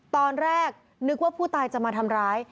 ตอนแรกนึกว่าผู้ตายจะมาทำร้าย